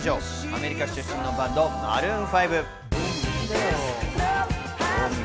アメリカ出身のバンド、マルーン５。